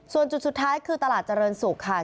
ส่วนจุดสุดท้ายคือตลาดเจริญศุกร์ค่ะ